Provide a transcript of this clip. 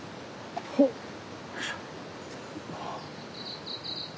ほっよいしょ。